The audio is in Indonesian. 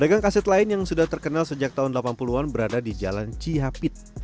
pedagang kaset lain yang sudah terkenal sejak tahun delapan puluh an berada di jalan cihapit